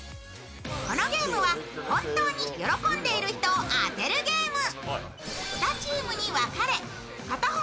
このゲームは本当に喜んでいる人を当てるゲーム。